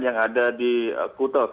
yang ada di kuto